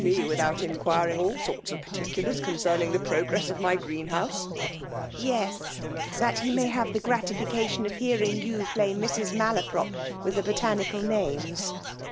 75 Aectsme v^ithoiit inquiriag all sorts of parti* adm ccmcenung the pxogress of my green ''Yes; tbat he may have the gratificatioQ of hearaig yoa play Mrs. Malaprop with the botanical names."